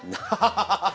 ハハハッ。